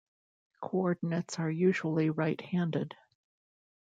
Coordinates are usually right-handed.